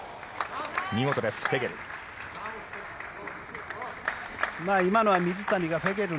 見事です、フェゲル。